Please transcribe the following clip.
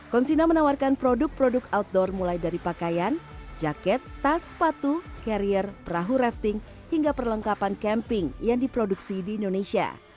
konsina menawarkan produk produk outdoor mulai dari pakaian jaket tas sepatu carrier perahu rafting hingga perlengkapan camping yang diproduksi di indonesia